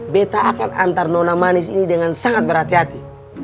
beta akan antar nona manis ini dengan sangat berhati hati